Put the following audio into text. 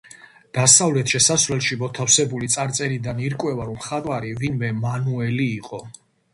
დასავლეთ შესასვლელში მოთავსებული წარწერიდან ირკვევა, რომ მხატვარი ვინმე მანუელი იყო.